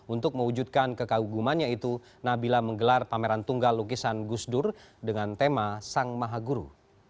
untuk mewujudkan kekaguman yaitu nabila menggelar pameran tunggal lukisan gusdur dengan tema sang mahaguru